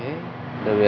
bapak masih ada problem